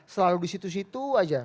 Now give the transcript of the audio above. selalu di situ situ aja